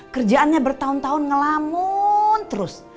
kerjaannya bertahun tahun ngelamun terus